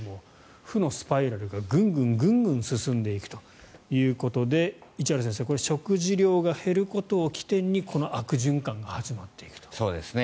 負のスパイラルがグングングングン進んでいくということで市原先生食事量が減ることを起点にこの悪循環が始まっていくと。